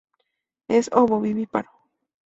Es ovovivíparo.